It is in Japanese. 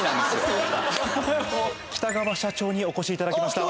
北川社長にお越しいただきました。